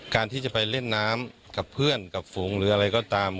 การที่จะไปเล่นน้ำกับเพื่อนกับฝูงหรืออะไรก็ตาม